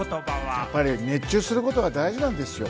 こ熱中することが大事なんですよ。